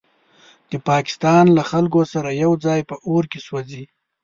د پاکستان له خلکو سره یوځای په اور کې سوځي.